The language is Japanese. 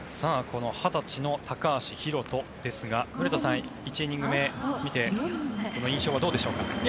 この２０歳の高橋宏斗ですが古田さん、１イニング目見て印象はどうでしょうか。